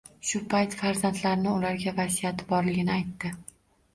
Shu payt farzandlarini ularga vasiyati borligini aytdi.